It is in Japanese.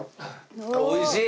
おいしい！